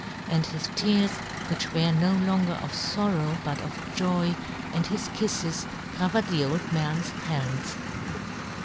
And his tears, which were no longer of forrow but of joy, and his kiffes, co vered the old man's hands.